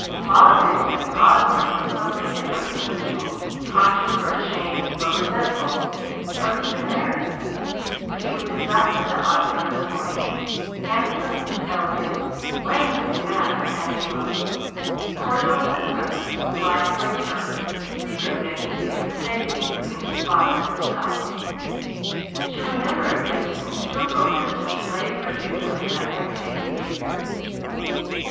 Molly had expected Osborne to look something different from usual conscious, or ashamed, or resentful, or even "married" but he was exactly the Osborne of the morning handsome, elegant, languid in manner and in look; cordial with his brother, polite towards her, secretly uneasy at the state of things between his father and himself. She would never have guessed the concealed romance which lay perdu under that every day behaviour.